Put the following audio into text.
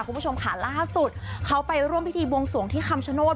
คุณผู้ชมค่ะล่าสุดเขาไปร่วมพิธีบวงสวงที่คำชโนธ